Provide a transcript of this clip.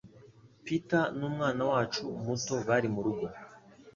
Peter numwana wacu muto bari murugo